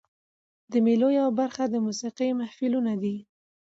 د مېلو یوه برخه د موسیقۍ محفلونه يي.